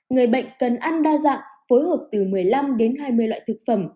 người bệnh cần ăn đa dạng phối hợp từ một mươi năm đến hai mươi loại thực phẩm